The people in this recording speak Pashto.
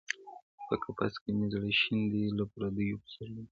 په قفس کي مي زړه شین دی له پردیو پسرلیو -